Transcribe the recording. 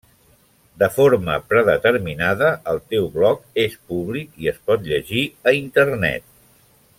De forma predeterminada el teu blog és públic i es pot llegir a internet.